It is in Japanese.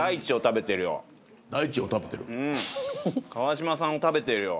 川島さんを食べているよう。